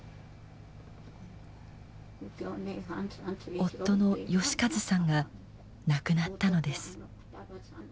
夫の義計さんが亡くなったのです。